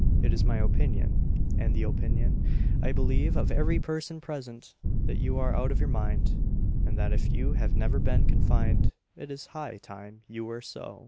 It is my opinion, and the opinion, I believe, of every person present, that you are out of your mind; and that if you have never been confined, it is high time you were so."